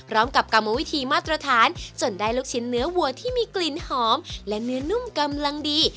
กับกรรมวิธีมาตรฐานจนได้ลูกชิ้นเนื้อวัวที่มีกลิ่นหอมและเนื้อนุ่มกำลังดี